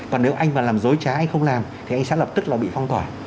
còn nếu anh mà làm dối trá anh không làm thì anh sẽ lập tức bị phong tỏa